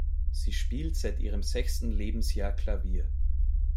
Sie spielt seit ihrem sechsten Lebensjahr Klavier.